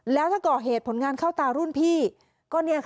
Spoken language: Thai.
แล้วถ้าก่อเหตุผลงานเข้าตารุ่นพี่